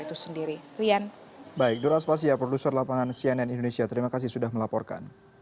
khususnya dari kader partai golkar itu sendiri